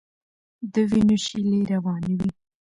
د وینو شېلې روانې وې.